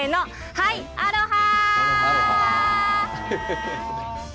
はいアロハ！